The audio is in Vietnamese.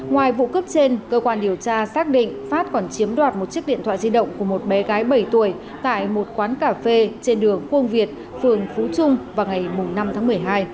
ngoài vụ cướp trên cơ quan điều tra xác định phát còn chiếm đoạt một chiếc điện thoại di động của một bé gái bảy tuổi tại một quán cà phê trên đường quang việt phường phú trung vào ngày năm tháng một mươi hai